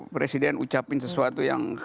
presiden ucapin sesuatu yang